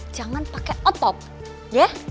jangan pakai otot ya